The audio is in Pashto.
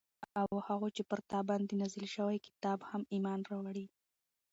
او هغو چې پر تا باندي نازل شوي كتاب هم ايمان راوړي